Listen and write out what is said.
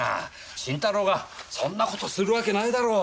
新太郎がそんな事するわけないだろう！